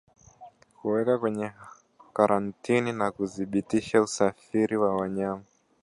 Kuweka kwenye karantini na kudhibiti usafiri wa wanyama